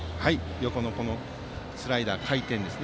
横のスライダー回転ですね。